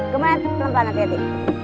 kemar pelan pelan hati hati